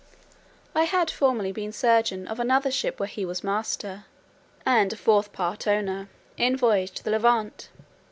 I had formerly been surgeon of another ship where he was master, and a fourth part owner, in a voyage to the Levant.